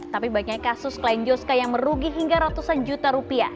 tapi banyaknya kasus klien juska yang merugi hingga ratusan juta rupiah